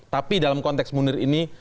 tapi dalam konteks munir ini